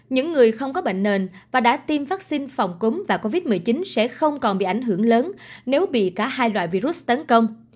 những người không có bệnh nền và đã tiêm vaccine phòng cúm và covid một mươi chín sẽ không còn bị ảnh hưởng lớn nếu bị cả hai loại virus tấn công